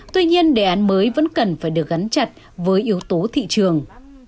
tuy nhiên đề án mới vẫn cần phải được gắn chặt với yếu tố thị trường